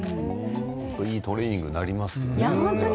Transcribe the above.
いいトレーニングになりますね。